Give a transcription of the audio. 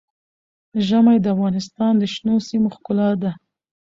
ژمی د افغانستان د شنو سیمو ښکلا ده.